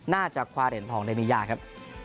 น่าจะควาเด่นทองได้มียากครับ